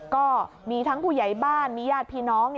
ก็มีทั้งผู้ใหญ่บ้านมีญาติพี่น้อง